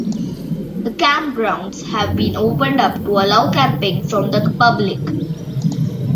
The campgrounds have been opened up to allow camping from the public.